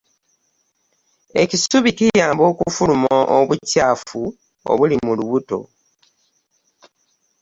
Ekisubi kiyamba okufulumya obucaafu obuli mu lubuto.